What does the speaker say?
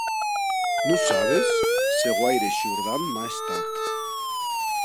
Non sabes se guaire shordant m'a estat.